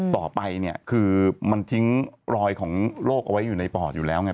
ต่อไปเนี่ยคือมันทิ้งรอยของโรคเอาไว้อยู่ในปอดอยู่แล้วไง